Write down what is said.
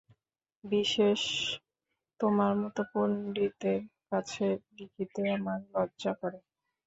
বিশেষ, তোমার মতো পণ্ডিতের কাছে লিখিতে আমার লজ্জা করে।